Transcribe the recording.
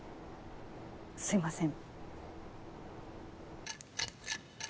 すみません。